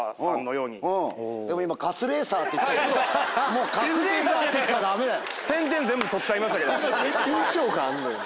もうカスレーサーって言ってたらダメだよ。